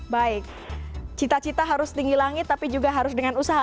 baik cita cita harus setinggi langit tapi juga harus dengan usaha